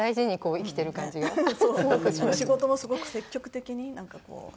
仕事もすごく積極的になんかこう。